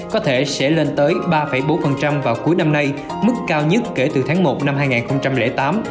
có thể sẽ lên tới ba bốn vào cuối năm nay mức cao nhất kể từ tháng một năm hai nghìn tám